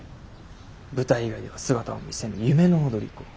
舞台以外では姿を見せぬ夢の踊り子。